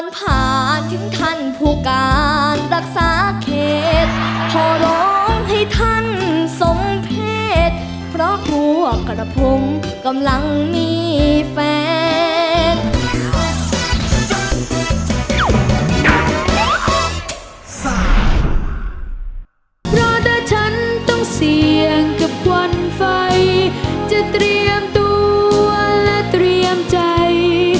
ท้อนไฟจะเตรียมตัวและเตรียมใจ